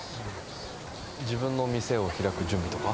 自分の店を開く準備とか。